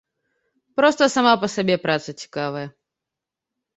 Проста сама па сабе праца цікавая.